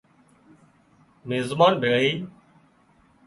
مزمان ڀيۯي